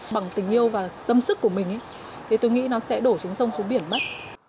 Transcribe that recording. bằng tình yêu và tâm sức của mình thì tôi nghĩ nó sẽ đổ xuống sông xuống biển mất